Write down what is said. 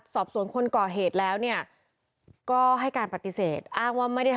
สอบส่วนคนก่อเหตุแล้วเนี่ย